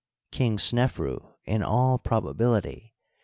King Snefru, in all probability.